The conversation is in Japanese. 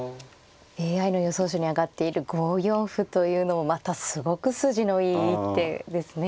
ＡＩの予想手に挙がっている５四歩というのもまたすごく筋のいい一手ですね。